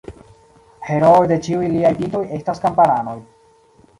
Herooj de ĉiuj liaj bildoj estas kamparanoj.